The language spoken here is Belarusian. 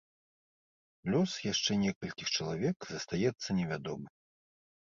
Лёс яшчэ некалькіх чалавек застаецца невядомы.